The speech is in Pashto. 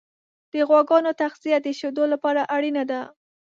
د غواګانو تغذیه د شیدو لپاره اړینه ده.